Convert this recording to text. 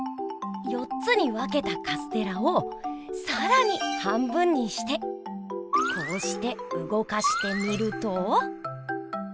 ４つにわけたカステラをさらに半分にしてこうして動かしてみると。